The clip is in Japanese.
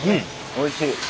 おいしい。